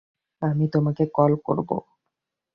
আমি তোমাকে কল করবো।